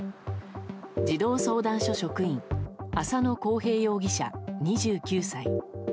児童相談所職員、浅野紘平容疑者２９歳。